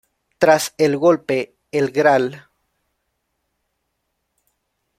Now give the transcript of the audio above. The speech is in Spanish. Tras el golpe, el Gral.